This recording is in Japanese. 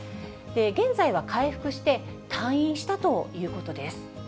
現在は回復して、退院したということです。